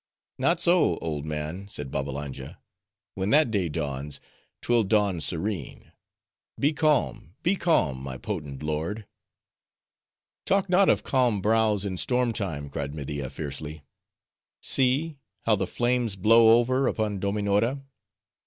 "Not so, old man," said Babbalanja, "when that day dawns, 'twill dawn serene. Be calm, be calm, my potent lord." "Talk not of calm brows in storm time!" cried Media fiercely. "See! how the flames blow over upon Dominora!"